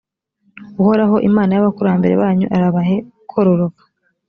uhoraho imana y’abakurambere banyu arabahe kororoka